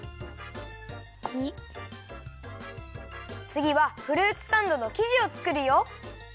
つぎはフルーツサンドのきじをつくるよ。